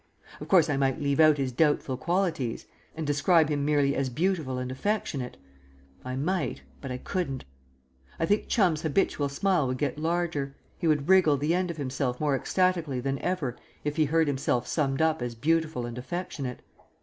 Of course, I might leave out his doubtful qualities, and describe him merely as beautiful and affectionate; I might ... but I couldn't. I think Chum's habitual smile would get larger, he would wriggle the end of himself more ecstatically than ever if he heard himself summed up as beautiful and affectionate.